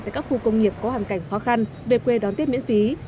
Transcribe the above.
tại các khu công nghiệp có hành cảnh khó khăn về quê đón tiết miễn phí